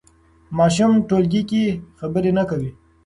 ماشوم ټولګي کې خبرې نه کوي.